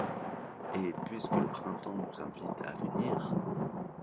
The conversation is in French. Et puisque le printemps nous invite à venir